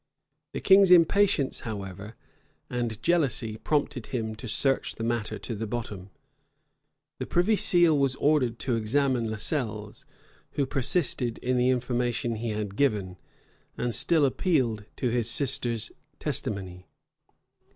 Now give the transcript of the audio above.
The king's impatience, however, and jealousy prompted him to search the matter to the bottom; the privy seal was ordered to examine Lascelles, who persisted in the information he had given; and still appealed to his sister's testimony.